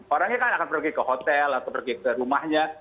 orangnya kan akan pergi ke hotel atau pergi ke rumahnya